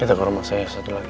kita ke rumah saya satu lagi